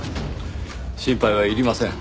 心配はいりません。